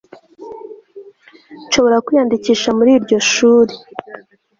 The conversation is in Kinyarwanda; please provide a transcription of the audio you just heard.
nshobora kwiyandikisha muri iryo shuri